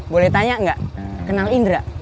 boleh tanya nggak kenal indra